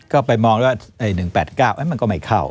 ก็ไปมองด้วยว่า๑๘๙มันก็ไม่เข้า